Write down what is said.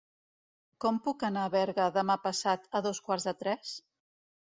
Com puc anar a Berga demà passat a dos quarts de tres?